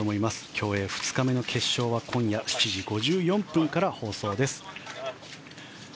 競泳２日目の決勝は今夜７時５４分から放送です。